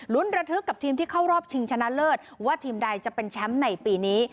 ระทึกกับทีมที่เข้ารอบชิงชนะเลิศว่าทีมใดจะเป็นแชมป์ในปีนี้